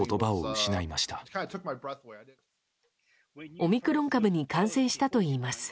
オミクロン株に感染したといいます。